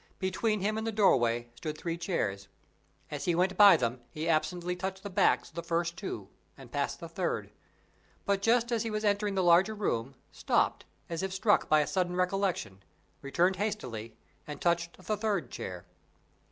Between him and the doorway stood three chairs. As he went by them, he absently touched the backs of the first two, and passed the third; but just as he was entering the larger room, stopped, as if struck by a sudden recollection, returned hastily, and touched the third chair.